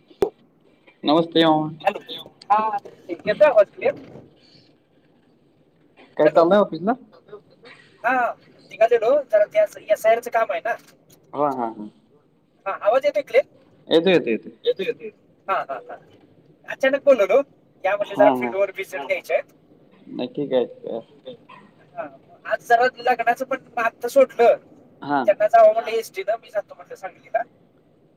[inaudible] नमस्ते hello हा येतोय हॉस्टि काय हॅलो चाललाय आहे ऑफिसला हा [unintelligible] त्या या एस आय आर च काम आहे ना हा, हा हा आवाज येतोय क्लियर येतो, येतो, येतो येतो, येतो, येतो ह अचानक कोलल ग ह्या वर्षी हा जरा हा [unintelligible] घ्यायच्यात नाही ठीक आहे ठीक आहे हा आज जरा लग्नाचं पण मात तर सोटलं हा त्याला जा वा म्हणलं एसटीने मी जातो म्हटलं सांगलीत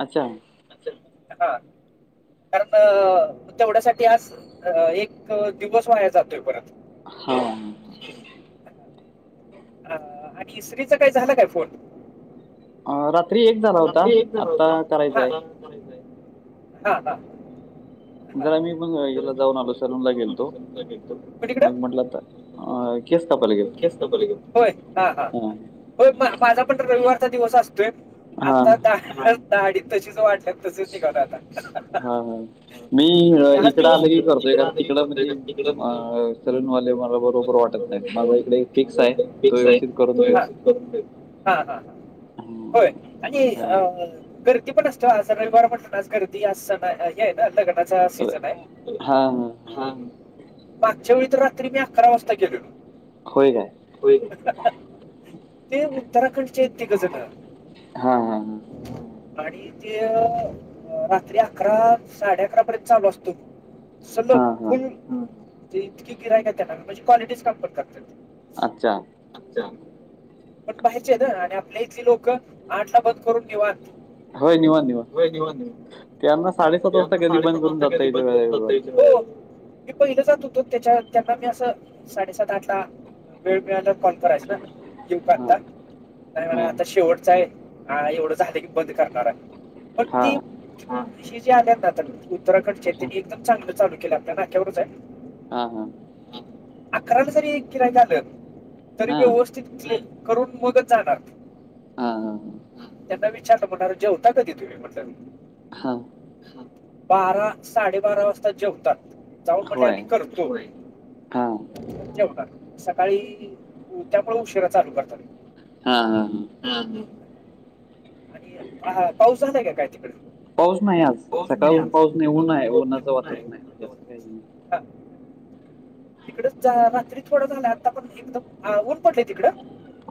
अच्छा अच्छा हा कारण तेवढ्यासाठी आज अ एक दिवस वाया जातोय परत हा ह आणि श्रीचा काय झाला काय फोन रात्री एक झाला होता रात्री एक जन आता होता करायचा ह, आहे हा ह जरा मी पण हिला जाऊन आलो सलूनला गेलतो पलीकडे मग म्हटलं आता अं, केस कापायला होय हा, हा गेलो ह हो माझा पण रविवारचा दिवस असतोय हा हा आता दा दाडी तशीच वाढल्या तसच निघालोय आता हा हा मी अं, इकडं आलं की आणि करतोय इकडं कारण आणच तिकडं मग होतय ते का तिकड त सलूनवाले बरोबर मला वाटत नाहीत माझा इकडे बरोबरटत फिक्स आहे तो नाहीकस आहे व्यवस्थित करून तो हा, देतो हा ह [unintelligible] आणि काय. अ गर्दी पण असत्या आज रविवार पण ना आज गर्दी अस सण हे आहे ना लगन लग्नाचा सिझन आहे हा मागच्या वेळी तर रात्री मी अकरा वाजता गेलेलो होय काय हो ते उत्तराखंडचे आहेत तिघे जण हा, हा, हा आणि ते रात्री अकरा साडे अकरा पर्यंत चालू असतो हा सलग हा फुल इतकी गिराय का त्याना म्हणजे क्वालिटी काम करतात ते अच्छा पण बाहेरची आहे ना आणि आपल्या इथली लोक आठला बंद करून निवांत होय, होय निवांत होय निवांत त्यांना साडेसात हे वाजता आमचा कधी साडे बंद पाच करून वाजता जाता कधी येईल बंद कर वेळेवर बसतय इथं मी पहिलं जात होतो त्याच्या त्यांना मी असं साडेसात आठ ला वेळ मिळाला कॉल करायच ना येऊ का हा आता नाही म्हनायचे मय आता शेवट हा एवढं झालं की बंद करणार आहे मग हा ती जे आल्या आहेत ना उत्तराखंडचे त्यांनी एकदम चांगलं चालू केलंय आपल्या नाक्यावरच आहे हा हा, अकराला जरी एक गिरायिक आलं तरी हा हा व्यवस्थित. [inaudible] करून मगच जाणार हा हा हा, त्यांना विचारल म्हणा जेवता कधी तुम्ही म्हणलं. हा, बारा साडेबारा वाजता जेवतात. जाऊन म्हटले होय आम्ही करतोय. हा जेवतात सकाळी त्यामुळे उशिरा चालू करतात. हा हा हा, हा हा, आणि ह पाऊस झालाय का काय तिकडे. पाऊस नाही आज पाऊस नाही सकाळून आज पाऊस नाही ऊन आहे ऊन्हाचं सकाळपासून ऊन आहे वातावरण म्हणजे असं काही आज. नाही हा, तिकड ज रात्री थोडं झालं आता पण एकदम ऊन पडले तिकडं.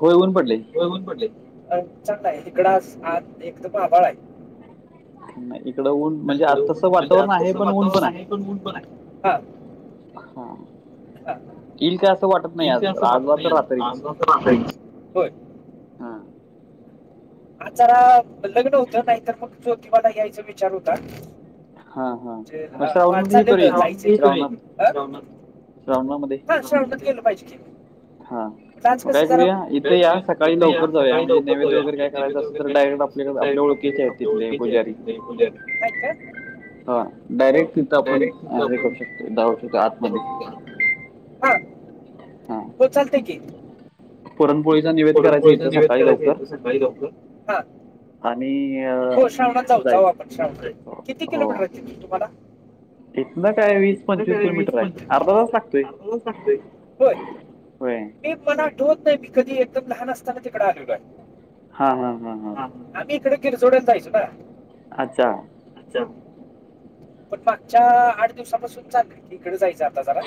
होय ऊन पडलय. चांगलं आहे इकडं आज आभाळ आहे. नाही इकडं ऊन म्हणजे हिकड आज ऊन तसं म्हणजे आज वातावरण आहे कस पण ऊन पण आहे वातावरण आहे. हा, हा येईल काय असं वाटत नाही येईल ते आज असं आज वाटत तर नाहीम रात्रीच [unintelligible] होय, हा आ जरा लग्न होत नाहीत तर मग जोतिबाल यायचा विचार होता. हा हा [inaudible] मग श्रावणात हे शेवडत करूया गलं की श्रावणात श्रावणामध्ये पाहिजे. हा म्हणलं आज मग कस काय जरा. करूया इथे या सकाळी लवकर जाऊया म्हणजे नैवेद्य वगैरे काय करायचं असेल तर डायरेक्ट आपल्याकडे नय आपल्या ओळखीचे आहेत तिथले ओळखीचे [inaudible] पुजारी हा हो डायरेक्ट तिथं आपण डयरेक्ट य अ, हे पण करू शकतो जाऊ शकतो आतमध्ये [unintelligible] हा, हा, होय चालतय की. पुरणपोळीचा निवेद करायचा पुरणपोळीचा इथं निवेद सकाळी करायच लवकर येतो सकाळी लवकर. आणि अ, हो श्रावणात जाऊ जाऊ जायचं आपण श्रावण किती किलोमीटर तिथून तुम्हाला. इथ ना काय वीस इथनं पंचवीस काय मी किलोमीटर आहे अर्धा तास लागतोय. होय होय. मी मला आठवत नाही मी कधी एकदम लहान असताना तिकड आलेलो. हा हा हा हा हा, आम्ही इकडे कि जोडला जायचो ना. अच्छा. पण मागच्या आठ दिवसापासून चाल. ईकडे जायचं आता करा.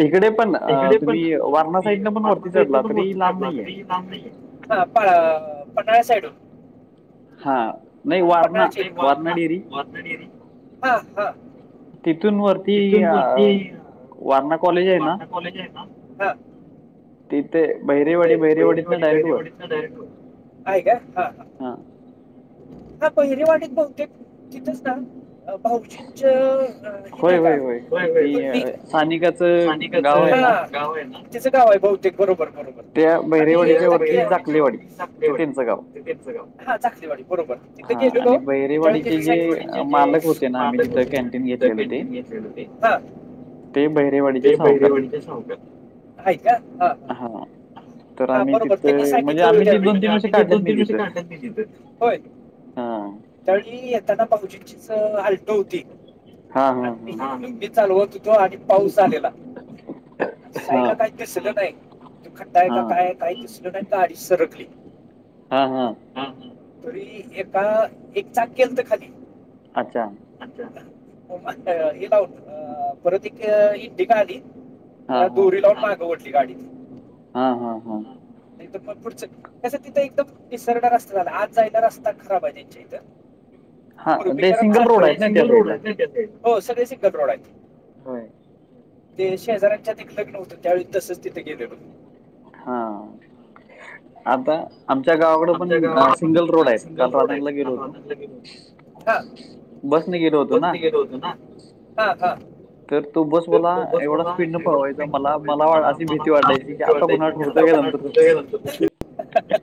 इकडे पण अं, तिकडे पण तुम्ही वारणा साईडनं पण वाट वरती साने चढला [unintelligible] पण तरी लांब बढला नाहीये तरी हा प पन्हाळा साईड ऊन. हा नाही ह वारणा वारणा डेअरी ह [unintelligible] तिथून वरती तिथून वती अं, वारणा कॉलेज आहे ना वारणा कॉलेज आहे ना. तिथे इथ बहिरेवाडी बहिरेवाडीतनं भैरवाडी डायरेक्ट वर भैरवाडीच डायरेक्ट रोड. आहे कां हां हं हा हां भैरीवाडीत बहुंतेक तिथंच नां भाऊजंच हे आहे होय कां होय होय कुंडी नाहीं ती कायं अं, होयं होयं सानिकाचं सानिकांच गाव गावं आहे ना आमचं गावं आहे बहुंतेक बरोबर बरोबर त्या आणि बहिरेवाडीच्या त्यांच वरती चांदेवाडी जाकलेवाडी ते त्यांचं गाव गावं आहे बरोबर तिथं हा गेलो आणि नां तेंव्हा बहिरेवाडीचे जे त्यांनी अं, मालक होते सांगितलं ना आम्ही तिथं कॅन्टीन घेतलेलं ते हं ते बहिरेवाडीचे ते सावकार भैरेवाडीच्यांत नव्हतं आहे कां हं हां हां बरोबर त्यांनी सांगितलं होतं तिथे दोन त्यावेळीं तीन वर्ष आम्हीं ते काढलेत दोन मी तीनं वर्ष तिथं काढली तरं होयं हां तळी येतांना बापूंजीचीच हालटी होती हां हां आणिं ती चालंवत हो तो आणि पाऊस आलेला हां साईड कायं दिसलं नाहीं खड्डाय आहे कां हां हां कायं कांहीं चं दिसलं नाहीं कां गांडी सरकली हां हां तरी एकां एक चाकी होतं तरं खाली अच्छा मागच्यां वेळेस गेलां होतां परंत एक इंडिक आंली हां त्यांला हां दोरी लावूंन मागं ओढली गांडी हां हां हां एकदंम मंग पुढचं त्यांस तिथं एकदंम पिसरण रस्तां झालां आंज जायंला रस्तां खरांब आहे त्यांच्या इथं हां रुपी ते करतं सिंगल रोड चाललो आहेत ना त्या सिंगल रोड साईडला आहे हो सगळे सिंगल रोड आहेतं होय ते शेजारांच्या ते एक लग्नं होतं त्यांवेळी तसंच तिथे गेलं होतो हां आंता आमच्या गावांकडे आमच्या पणं गावाला सिंगल रोड आहेतं कांल राधांनला गेलो होतो बसने गेलो होतो ना बसलं गेलं होतं नां हां हां तर तो बस तरं मला तोस एवढा मलां स्पीडनं एवढंच पळवायचा मला भेटवांय मला वा- मलां अशी भीती मलां वाटायची की भीती आता कुणाला वाटायंची की आं ठरतोय का नंतर तिथे ठरतोय गेलो होतो हं हं हं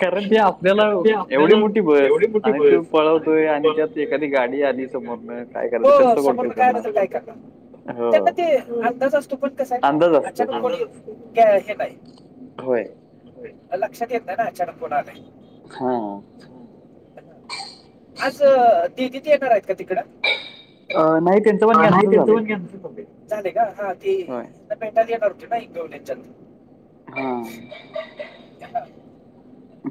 कारण ते आपल्याला ते एवढी आपल्यांला मोठी बस एवढी मोठी आणि तू बयंस आणि पळवतोय तेि प त्यात एखादी गाडी आली समोरनं काय करायचं हम्मं हो कसं समोर कंट्रोल कायं आंल तरं कायं करणार करणारं हो त्यांना ते अंदाज असतो पणं कसां अंदाज आहे असतो हो अचांनक हे कायं होयं लक्षांत येतं नाहीं नां अचांनक कोणं आंली हां असं दिंडीत येणारं आहेतं कां तिकडं अं, नाही त्यांचं पण हां नाहीं कॅन्सल त्यांचं झालंय पणं घे चचाले कां हां ती होय पेटल येणांर रंतट हे गले जलं हां हं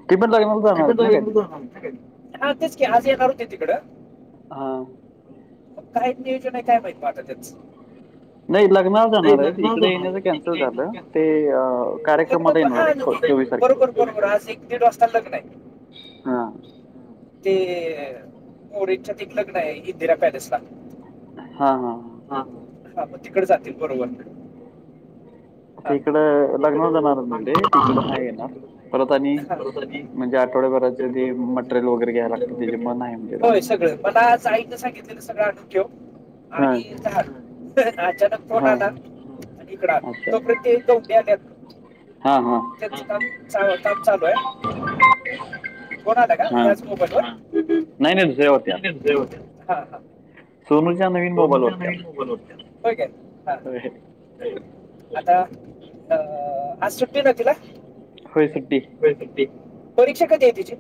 किंमत लागेल भाऊ हां तेचं की आंज येणांर होते तिकडं हां खरं आहे की कायं माहित बां त्यांचं नाहीं लग्नांला जाणारं आहेत ईकडे येण्याचं कॅन्सल झालं ते कार्यक्रमांला येणारं हा, आहेतं परंत चोवीस तारखेलां बरोबर बरोबर आंज एक दीड वाजतां लग्नं आहे हां ते मुलींच्या तिकडं लग्न आहे इंदिरा पॅलेसला. हा-हा-हा. हा तिकड जातील बरोबर ना. ते ह इकडं इकडे लग्नाला जाणार आहेत म्हणले तिकडं नाही येणार परत [inaudible] आणि म्हणजे आठवड्याभराचं ते मटेरियल वगैरे घ्यायला आठवड्या लागतं म्हं वगैर त्याच्यामुळे नाही म्हणते घयला. आज सगळं मला साहित्य सांगितलेलं सगळं आणून ठेव. हा आणि अचानक फोन हा आला. इकड अच्छा तो पर्यंत उभ्या उभ्या. हां हां त्याच काम काम चालू आहे. फोन आला का हां याच मोबाईलवर. नाही नाही दुसऱ्या वाटत्यात हा-हा सोनूच्या नवीन मोबाईल वाटत्यात दोनन होय [inaudible] आता अ आज सुट्टी ना तिला. होय सुट्टी. होय सुट्टी परीक्षा कधी आहे तिची.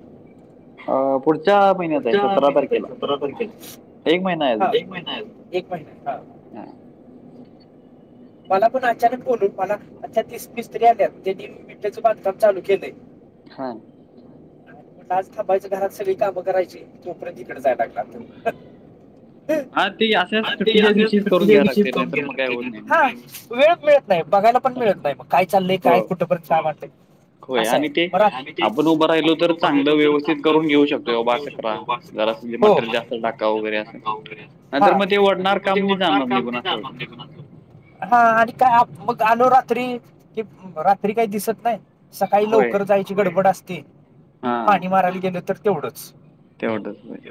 अं, पुढच्या महिन्यात आहे पुढच्या सतरा महिन्यात आहे तारखेला सतरा तारखेला. एक महिना हा एक महिना एक महिना हा. हम. मला पण अचानक बोलून मला अ तीस मिस्तरी आल्या त्यांनी मी विठ्याचं बांधकाम चालू केलंय. हा. ह. पण आज थबायच घरात सगळी कामं करायची तोपर्यंत तकडे जाय लागला. हां ते अशाच सुट्टीच्या दिवशीच करून सुट्टीच्या घ्यायला दिवशी लागते कम नाहीतर घ्या मग काय लागते. होत नाही मग. हा वेळ मिळत नाही बघायला पण मिळत नाही मग काय चाललंय हो काय कुठंपर्यंत का वाटलं. होय अस आणि आहे ते ब आणि ते आपण उभं राहिलो आपण तर उभं राहिलो चांगलं तर व्यवस्थित चांगलं करून घेऊ व्यवस्थित शकतो करून बाबा घेऊ असं करा जरा शकतो. मटेरियल जास्त टाका वगैरे स् असं धका वगैरे नाहीतर मग अस ते नर वडणार म काम ते नाही ओढणार जाणार काम निघून नाही असं जा होते म्हणजे कोणा हा आणि काय मग आलो रात्री कि रात्री काही दिसत नाही. सकाळी होय लवकर जायची गडबड असते हां पाणी मारायला गेलं तर तेवढंच. तेवढंच. हा,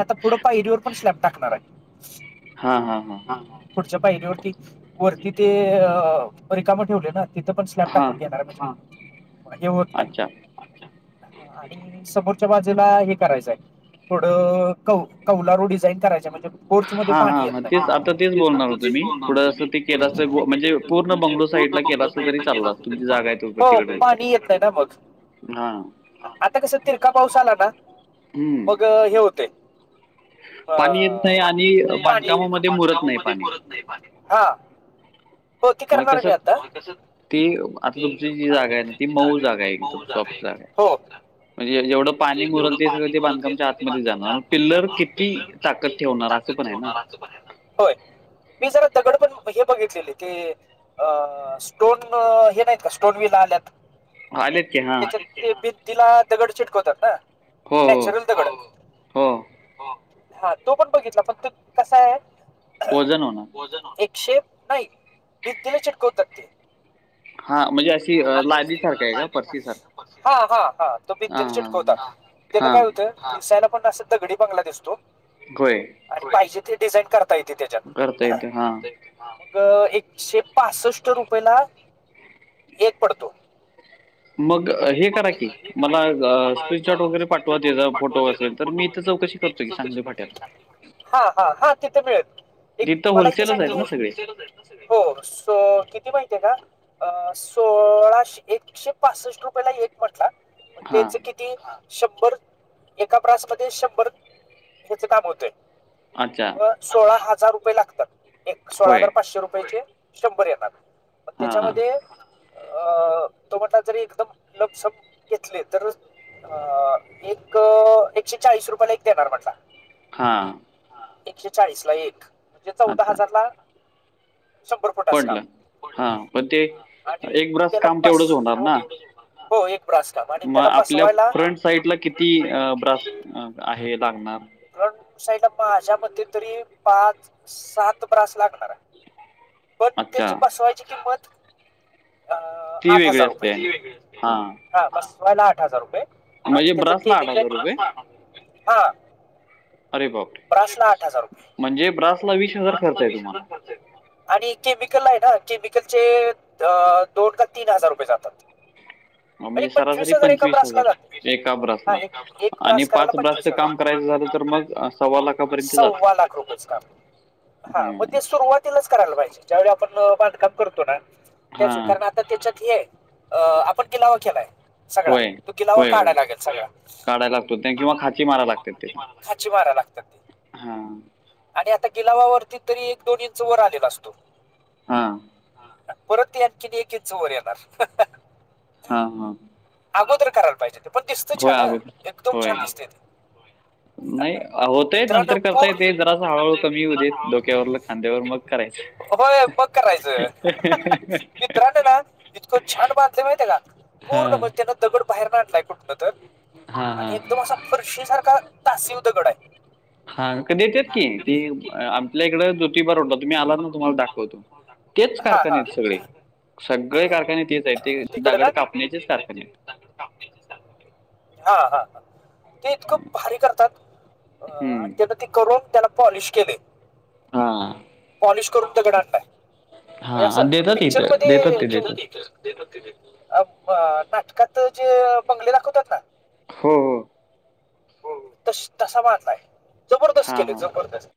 आता पुढं पायरीवर पण स्लॅब टाकणार आहे. हा-हा-हा. पुढच्या पाहिरीवरती वरती ते अ रिकामा ठेवले ना. तिथं पण स्लॅब हां टाकून घेणार हे होत नाही. अच्छा आणि समोरच्या बाजूला हे करायचंय थोडं क कौला रो डिझाईन करायच. म्हणजे कोर्च मध्ये हां पाणी हां हां येत. तेच आता तेच बोलणार होतो मी बम पुढं असं ते केलं असतं गो- म्हणजे पूर्ण म्हणजे बंगलो पूर्ण साईडला केलं बंगो असतं तरी साइडला ग चाललं अस असतं तरी तुमची चाल जागा आहे तो तिकडे असता. मग हां आता कस तिरका पाऊस आला ना. हम्म. मग हे होते. येत नाही पाणी आणि येत नाही आणि बांधकामामध्ये मुरत बांधकाम नाही मध्ये पाणी परत. हा हो ते करणार आहे मी आता. ती आता तुमची जी जागा आहे ना ती मऊ जागा आहे. एकदम सॉफ्ट जागा आहे. हो म्हणजे जेवढं पाणी मुरल ते पाणी सगळं ते बांधकामच्या आतमध्येध्ये आमच्या जाणार आत मग पिल्लर किती ताकद ठेवणार असं पण आहे ना. होय. मी जरा दगड पण हे बघितलेले क अ स्टोन हे नाहीत का स्टोन ब ला आल्यात. आलेत की हा. त्याच्या ते बीतीला दगड चिटकवतात ना. हो हो नॅचरल दगड हो, हो, हा. तो पण बघितला फक्तं, कसा आहे. वजन होना वजन हो एकशे नाही, भीतीला चिटकवतात ते. हा म्हणजे अशी अ लादी सारखा आहे का परशी सार हा हा हा तो भिततीला चिटकवता, तेन काय होतं हा दिसायला पण अस दगडी बांगला दिसतो. होय. आणि पाहिजे ते डिझाईन करता येते त्याज्यात, येतं हा करता येतय. हा मग एकशे पाससट रुपये ला एक पडतो. मग अ, करा मग की हे करा मला की, मला एकदा, स्क्रीनशॉट वगैरे स्क्रीन पाठवा शॉट वगैरे त्याचा पाठवत फोटो तेज असेल तर मी फोटो इथं वसेल तर. चौकशी मी करतो इथं की चौकशी सांगली करतो फाट्याला की [unintelligible] हा हा हा तिथ मिळल. एक तिथं मला इथं होलसेलच सांगितल आहेत ना सगळे ओळखीचेच आहेत ना सगळे, हो सो किती माहिते आहे का? अ सोळाशे एकशे पासष्ट रुपयेला एक म्हटला, म हां तेच कि ती शंभर, एका ब्रास मध्ये शंभर, हेच काम होतय. अच्छा. सोळा हजार रुपये लागता, एक सोळा होय हजार पाचशे रुपयाचे शंभर येणार. म हां तेच्यामध्ये, अ, तो म्हणाला जर एकदम, लमसम, घेतले तर अ, एक एकशे चाळीस रुपयला एक देणार म्हटला. हा. एकशे चाळीस ला एक, म्हणजे चौदा अच्छा हजारला शंभर फुटच काम, पडलं हां पण ते आणि एक ब्रास त्याला काम बस तेवढंच होणार ना हो एक ब्रास काम आणि मग त्याला आपल्या बसवायला, फ्रंट आमच्या साईडला किती फ्रंट साइडला अ, ब्रास किती अ, ब्रास आहे लागणार? लागेल. फ्रंट, साईडला माझ्या मते तरी पाच, सात ब्रास लागणारे. पण त्याची अच्छा, बसवायची किंमत, अ ती आठ वेगळी हजार रुपये असते. ती वेगळी असत्या. हां, हा बसवायला आठ हजार रुपये, आणि म्हणजे त्याच ब्रासला केमिकल म ब्रास लागणार, हा. अरे बापरे! ब्रास आठ हजार रुपये, म्हणजे ब्रासला म्हणजे ब्रासला खर्च आहे वीस हजार तुम्हाला. पडतंय तुम्हाला? आणि केमिकल आहे ना केमिकलचे, अ दोन का तीन हजार रुपये जातात. अ, म्हणजे एक पंचवीस सरासरी हजार एका ब्रासला जा, एका हा ब्रासला एक एक आणि ब्रास करायला पंचवीस ब्रासचं हजार काम आणि पाच करायचं लाखच झालं काम तर कराय मग अ, तर सव्वा मग लाखापर्यंत जातं. सव्वा लाख रुपयेच काम, हा म हं, ते सुरवात ती लाच करायला पाहिजे ज्यावेळी आपण बांधकाम करतो ना, त्याच वेळी हां. कारण आ आता त्याच्यात हे, अ आपण गिलावा केलाय. सगळा, होय. तो गीलावा होय, होय. काढाय लागल सगळा, काढायला लागतो त्या किंवा खाची [unintelligible] खाची माराय लागतात. हा. आणि आता गिलावावरती तरी एक दोन इंच वर आलेला असतो. हा. हा परत ते आणखीन एक इंच वर येणार. हा हा. अगोदर करायला पाहिजे ते पण दिसत छान अगोदर. एकदम छान होय. दिसतय ते. नाही होतंय मित्रां नंतर करता पूर असूदे येते जरासं नंतर हळूहळू करता कमी येऊ देत जरासं डोक्यावरलं हळूहळू खांद्यावर कमी मग येऊदे करायचं. [unintelligible] होय मग करायचं, मित्रान ना, इतकं छान बांधलय माहितेय का? पूर्ण हां मंग त्यांना दगंड बाहेर नाहीं आणलांय कुंठनं तरं. हां आणि हां एकदंम असां फरशी सारखां तासी उ दगंड आहे. हां कां देतेत की की आपल्या इकडें ज्योतिबार उडलां तुम्हीं आलांत नां तुम्हांला दाखवतो की तेचं हा कारखांने हा आहेत सगळे सगळे कारखांने तेचं आहेतं. ते दगंड कापण्यांचेच कारखांने आहेतं. हां हां ते इतकं भारी करतांत. हम्मं.... ते करूंन त्यांला पॉलिश केले. हां! पॉलिश करूंन दगंड आणलांय म्हणजे हां आणि असं देतात पिक्चर इथं देतात मध्यें ते देतात. नाटकांत जे बंगले दाखवितात नां हो हो हो तसां बांधतात जबरदस्तं हां केले हां. जबरदस्तं